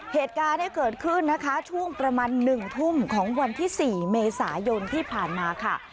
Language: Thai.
เหตุการณ์เนี่ยเกิดขึ้นนะคะช่วงประมาณ๑ทุ่มของวันที่๔เมษายนที่ผ่านมาค่ะ